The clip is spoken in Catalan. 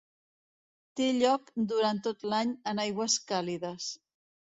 Té lloc durant tot l'any en aigües càlides.